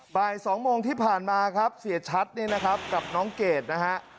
บ่าย๒โมงที่ผ่านมาครับเสียชัดเนี่ยนะครับกับน้องเกดนะฮะ